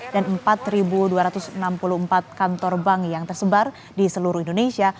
empat dua ratus enam puluh empat kantor bank yang tersebar di seluruh indonesia